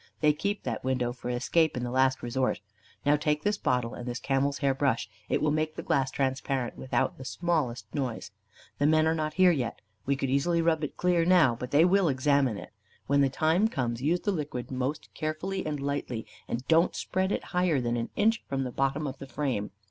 They keep that window for escape in the last resort. Now take this bottle and this camel's hair brush; it will make the glass transparent without the smallest noise. The men are not there yet. We could easily rub it clear now, but they will examine it. When the time comes, use the liquid most carefully and lightly, and don't spread it higher than an inch from the bottom of the frame.